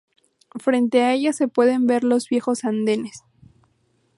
Frente a ella se pueden ver los viejos andenes.